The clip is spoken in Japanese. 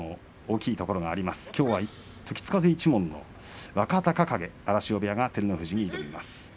きょうは時津風一門の若隆景荒汐部屋が照ノ富士に挑みます。